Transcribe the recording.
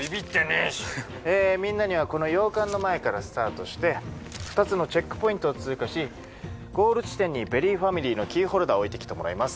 ええみんなにはこの洋館の前からスタートして２つのチェックポイントを通過しゴール地点にベリーファミリーのキーホルダーを置いてきてもらいます。